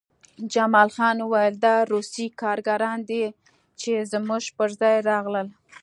جمال خان وویل دا روسي کارګران دي چې زموږ پرځای راغلل